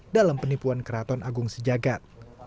dalam penipuan keraton agung sejagat